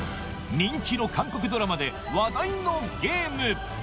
人気の韓国ドラマで話題のゲーム